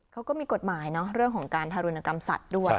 เขาก็มีกฎหมายเนอะเรื่องของการทารุณกรรมสัตว์ด้วย